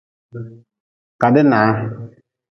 Kadi nah.